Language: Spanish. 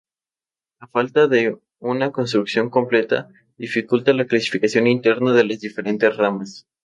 La falta de una reconstrucción completa dificulta la clasificación interna de las diferentes ramas.